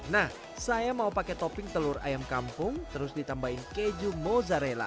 nah saya mau pakai topping telur ayam kampung terus ditambahin keju mozzarella